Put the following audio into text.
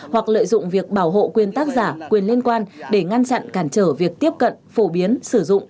hoặc lợi dụng việc bảo hộ quyền tác giả quyền liên quan để ngăn chặn cản trở việc tiếp cận phổ biến sử dụng